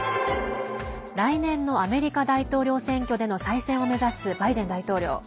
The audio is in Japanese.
来年のアメリカ大統領選挙での再選を目指すバイデン大統領。